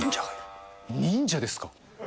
忍者ですか。